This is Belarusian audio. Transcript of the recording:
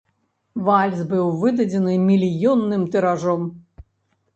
Вальс быў выдадзены мільённым тыражом.